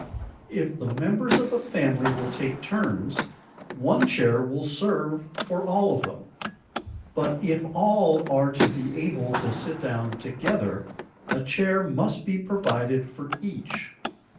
If the members of a family will take turns, one chair will serve for all of them; but if all are to be able to sit down together, a chair must be provided for each.